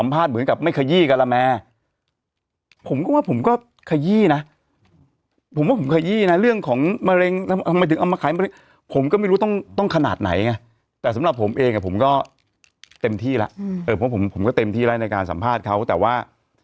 ผมว่าผมขยี้นะเรื่องของมะเร็งทำไมถึงเอามาขายมะเร็งผมก็ไม่รู้ต้องขนาดไหนไงแต่สำหรับผมเองผมก็เต็มที่แล้วผมก็เต็มที่แล้วในการสัมภาษณ์เขาแต่ว่า